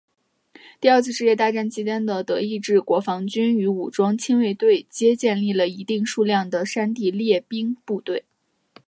第二次世界大战期间的德意志国防军与武装亲卫队内皆建立了一定数量的山地猎兵部队。